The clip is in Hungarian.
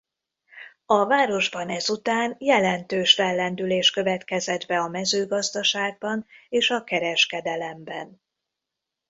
A városban ezután jelentős fellendülés következett be a mezőgazdaságban és a kereskedelemben.